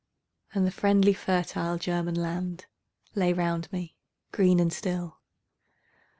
And the friendly fertile German land Lay round me green and still.